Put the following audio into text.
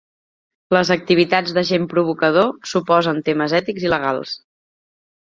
Les activitats d'agent provocador suposen temes ètics i legals.